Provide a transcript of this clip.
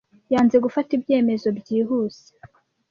Yanze gufata ibyemezo byihuse.